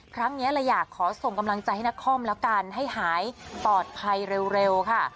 ครั้งนี้เลยอยากขอส่งกำลังใจให้นครแล้วกันให้หายปลอดภัยเร็วค่ะ